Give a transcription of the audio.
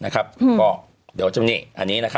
ก็เดี๋ยวจะมีอันนี้นะครับ